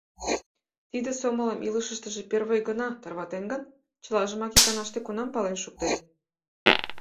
Тиде сомылым илышыштыже первой гана тарватен гын, чылажымак иканаште кунам пален шуктет?